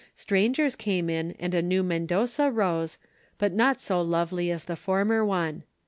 Strangers came in and a new Mendoza rose, but not so lovely as the former one.